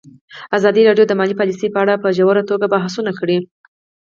ازادي راډیو د مالي پالیسي په اړه په ژوره توګه بحثونه کړي.